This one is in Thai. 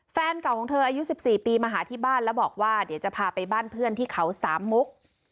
แฟนเก่าของเธออายุ๑๔ปีมาหาที่บ้านแล้วบอกว่าเดี๋ยวจะพาไปบ้านเพื่อนที่เขาสามมุก